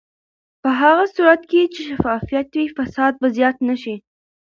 په هغه صورت کې چې شفافیت وي، فساد به زیات نه شي.